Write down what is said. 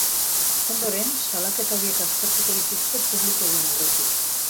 Ondoren, salaketa horiek aztertuko dituzte publiko egin aurretik.